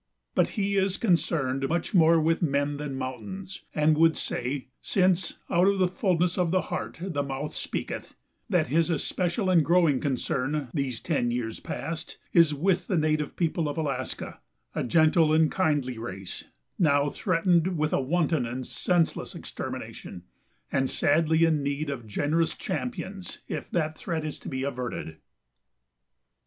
But he is concerned much more with men than mountains, and would say, since "out of the fullness of the heart the mouth speaketh," that his especial and growing concern, these ten years past, is with the native people of Alaska, a gentle and kindly race, now threatened with a wanton and senseless extermination, and sadly in need of generous champions if that threat is to be averted.